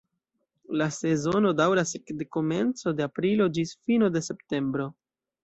La sezono daŭras ekde komenco de aprilo ĝis fino de septembro.